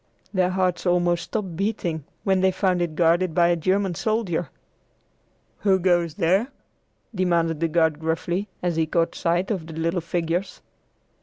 Their hearts almost stopped beating when they found it guarded by a German soldier. "Who goes there?" demanded the guard gruffly, as he caught sight of the little figures.